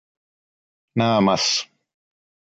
Nada más.